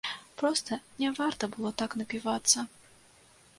Проста не варта было так напівацца.